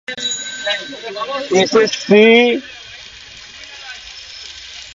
SC bench পরবর্তী তারিখের জন্য বিষয়টি পোস্ট করে উল্লেখ করেছিল "প্রাথমিক যুক্তি শোনার পরে আমরা আনুষ্ঠানিক নোটিশ দিতে পারি।"